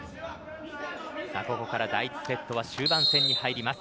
ここから第１セットは終盤戦に入ります。